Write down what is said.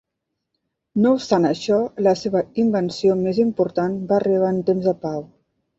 No obstant això, la seva invenció més important va arribar en temps de pau.